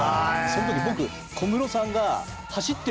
その時僕。